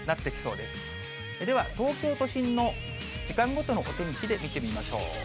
では、東京都心の時間ごとのお天気で見てみましょう。